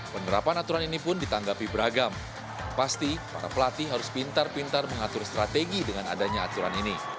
penerapan aturan ini pun ditanggapi beragam pasti para pelatih harus pintar pintar mengatur strategi dengan adanya aturan ini